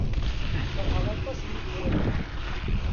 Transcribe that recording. Feṛḥeɣ aṭas i mi kem-walaɣ.